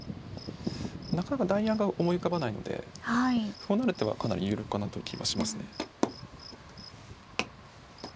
なかなか代案が思い浮かばないので歩を成る手はかなり有力かなという気はしますね。